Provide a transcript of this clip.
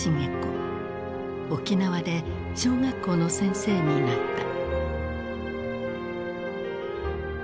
沖縄で小学校の先生になった。